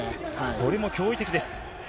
これも驚異的です。